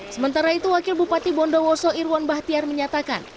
sementara itu wakil bupati bondowoso irwan bahtiar menyatakan